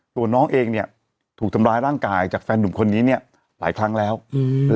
ตัวน้องเองเนี้ยถูกทำร้ายร่างกายจากแฟนหนุ่มคนนี้เนี้ยหลายครั้งแล้วอืม